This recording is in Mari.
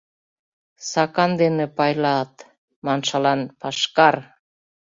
«Сакан дене пайлат» маншылан — пашкар!